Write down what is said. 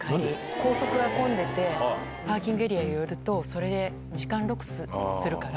高速が混んでて、パーキングエリア寄ると、それで時間ロスするから、